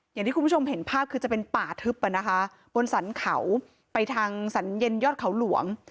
อย่างที่คุณผู้ชมเห็นภาพคือจะเป็นป่าทึบบนสรรเขาไปทางสรรเย็นยอดเขาหลวง